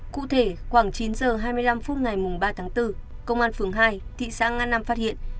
cụ thể khoảng chín h hai mươi năm phút ngày ba tháng bốn công an phường hai thị xã nga năm phát hiện